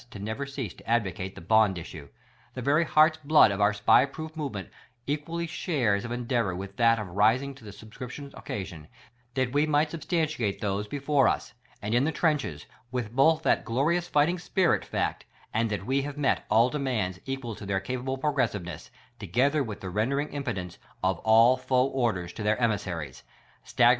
to never cease to advocate the BOND issue. The very heart's blood of our SPY proof movement equallj^ shares of endeavor with that of rising to the subscription occasion, that we might sub stantiate those before us, and in the trenches, with both that glorious fighting spirit fact, that we have met a'll demands equal to their capable progressiveness, together with the rendering impotent of all foe orders to their emissaries; SPY PROOF AMERICA 39 staggerin.